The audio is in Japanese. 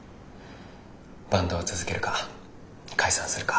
バンドを続けるか解散するか。